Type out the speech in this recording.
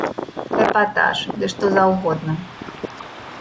Эпатаж, ды што заўгодна.